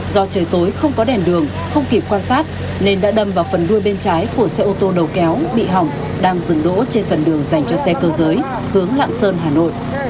do trời tối không có đèn đường không kịp quan sát nên đã đâm vào phần đuôi bên trái của xe ô tô đầu kéo bị hỏng đang dừng đỗ trên phần đường dành cho xe cơ giới hướng lạng sơn hà nội